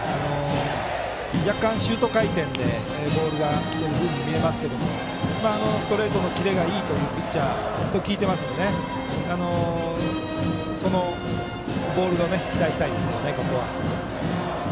若干、シュート回転でボールが来ているように見えますがストレートのキレがいいピッチャーと聞いていますのでそのボールに期待したいですね。